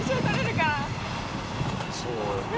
そうよね。